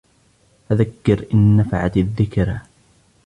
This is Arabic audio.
فَذَكِّرْ إِنْ نَفَعَتِ الذِّكْرَى